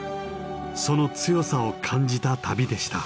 その強さを感じた旅でした。